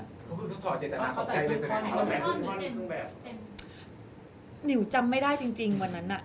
มีความที่มิวจำไม่ได้จริงวันนั้นนะ